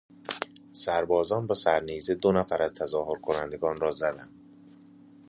سربازان با سرنیزه دو نفر از تظاهر کنندگان را زدند.